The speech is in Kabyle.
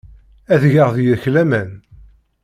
Ad geɣ deg-k laman.